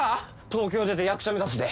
東京出て役者目指すで！